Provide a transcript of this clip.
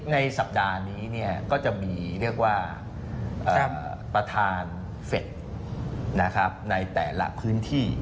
ในสัปดาห์นี้ก็จะมีเรียกว่าประธานเฟสในแต่ละพื้นที่